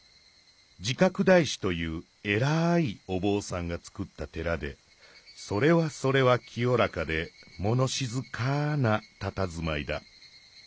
慈覚大師というえらいおぼうさんがつくった寺でそれはそれはきよらかでものしずかなたたずまいだ」。